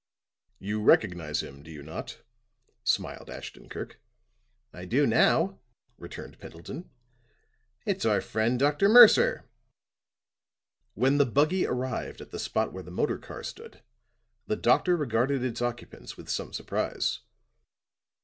"You recognize him, do you not?" smiled Ashton Kirk. "I do, now," returned Pendleton. "It's our friend Dr. Mercer." When the buggy arrived at the spot where the motor car stood, the doctor regarded its occupants with some surprise.